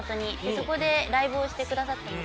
そこでライブをしてくださったんですよ。